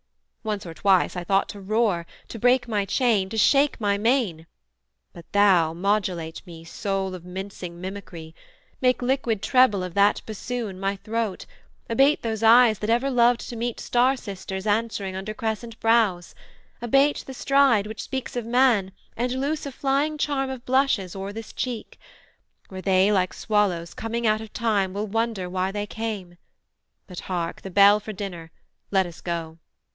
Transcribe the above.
once or twice I thought to roar, To break my chain, to shake my mane: but thou, Modulate me, Soul of mincing mimicry! Make liquid treble of that bassoon, my throat; Abase those eyes that ever loved to meet Star sisters answering under crescent brows; Abate the stride, which speaks of man, and loose A flying charm of blushes o'er this cheek, Where they like swallows coming out of time Will wonder why they came: but hark the bell For dinner, let us go!'